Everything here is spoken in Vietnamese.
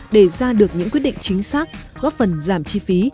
để ra được những quyết định chính xác góp phần giảm chi phí